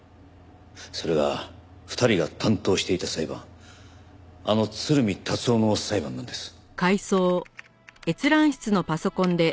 それが２人が担当していた裁判あの鶴見達男の裁判なんです。